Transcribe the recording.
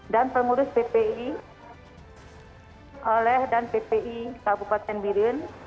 dan pengurus ppi oleh dan ppi kabupaten biren